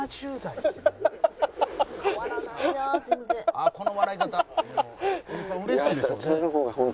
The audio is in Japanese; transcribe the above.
「あっこの笑い方」はい。